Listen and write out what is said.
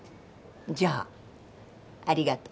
じゃあありがとう。